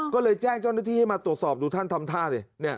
ก็เลยแจ้งเจ้าหน้าที่ให้มาตรวจสอบดูท่านทำท่าดิ